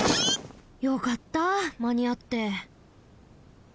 よかったまにあって。